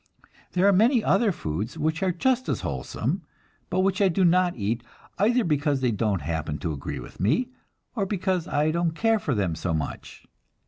There are many other foods which are just as wholesome, but which I do not eat, either because they don't happen to agree with me, or because I don't care for them so much.